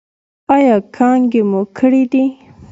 ایا کانګې مو کړي دي؟